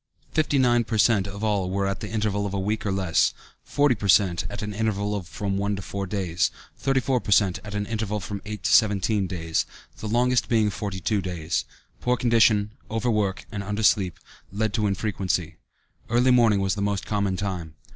Fifty nine per cent. of all were at an interval of a week or less; forty per cent. at an interval of from one to four days; thirty four per cent, at an interval of from eight to seventeen days, the longest being forty two days. Poor condition, overwork, and undersleep, led to infrequency. Early morning was the most common time.